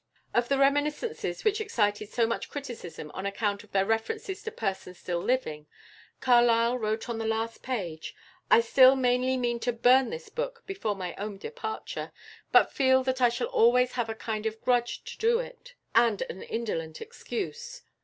" Of the "Reminiscences" which excited so much criticism on account of their references to persons still living, Carlyle wrote on the last page: "I still mainly mean to burn this book before my own departure, but feel that I shall always have a kind of grudge to do it, and an indolent excuse.